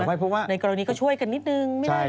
เออไม่พูดว่าในกรณีนี้ก็ช่วยกันนิดนึงไม่ได้เลย